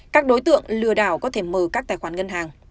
các đối tượng lừa đảo có thể mở các tài khoản ngân hàng